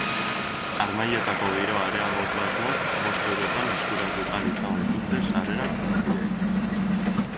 Harmailetako giroa areagotu asmoz, bost eurotan eskuratu ahal izango dituzte sarrerak bazkideek.